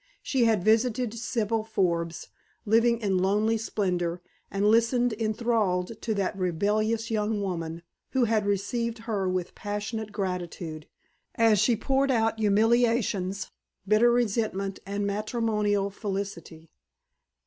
She had visited Sibyl Forbes, living in lonely splendor, and listened enthralled to that rebellious young woman (who had received her with passionate gratitude) as she poured out humiliations, bitter resentment, and matrimonial felicity.